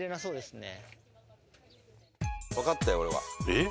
えっ？